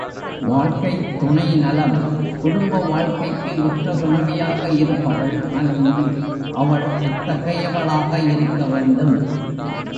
வாழ்க்கைத் துணைநலம் குடும்ப வாழ்க்கைக்கு உற்ற துணைவியாக இருப்பவள் மனைவி அவள் எத்தகையவளாக இருக்க வேண்டும்?